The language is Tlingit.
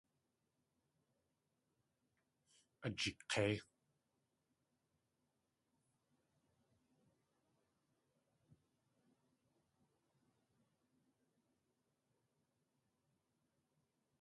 Ajik̲éi.